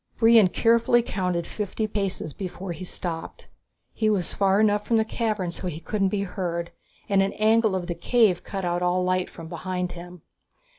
Brion carefully counted fifty paces before he stopped. He was far enough from the cavern so he couldn't be heard, and an angle of the cave cut off all light from behind him.